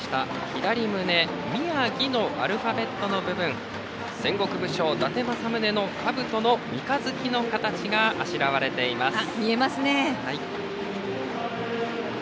左胸、ＭＩＹＡＧＩのアルファベットの部分戦国武将・伊達政宗のかぶとの三日月の形があしらわれています。